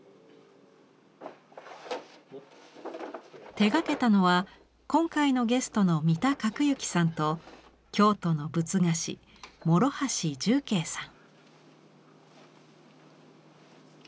手がけたのは今回のゲストの三田覚之さんと京都の仏画師諸橋重慧さん。